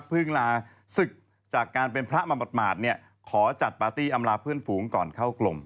ลาศึกจากการเป็นพระมาบทบาทขอจัดปาร์ตี้อำลาเพื่อนฝูงก่อนเข้ากลม